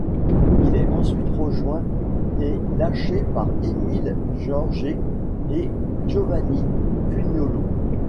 Il est ensuite rejoint et lâché par Émile Georget et Giovanni Cuniolo.